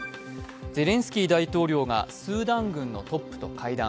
ゼレンスキー大統領がスーダン軍のトップと会談。